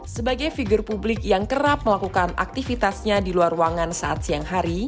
sebagai figur publik yang kerap melakukan aktivitasnya di luar ruangan saat siang hari